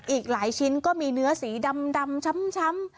อีกหลายชิ้นก็มีเนื้อสีดำช้ำ